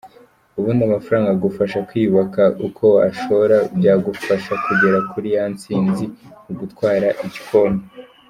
Ubundi amafaranga agufasha kwiyubaka , uko washora byagufasha kugera kuri ya ntsinzi, ku gutwara igikombe.